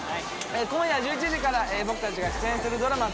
今夜１１時から僕たちが出演するドラマ